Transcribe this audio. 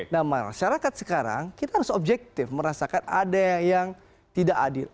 nah masyarakat sekarang kita harus objektif merasakan ada yang tidak adil